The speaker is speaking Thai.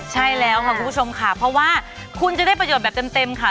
ใช่แล้วค่ะคุณผู้ชมค่ะเพราะว่าคุณจะได้ประโยชน์แบบเต็มค่ะ